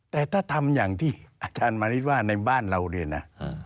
แต่ถ้าทำอย่างที่อาจารย์มาริสว่าในบ้านเราเนี่ยนะ